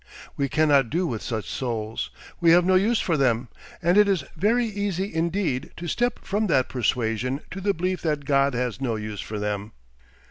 We cannot do with such souls; we have no use for them, and it is very easy indeed to step from that persuasion to the belief that God has no use for them.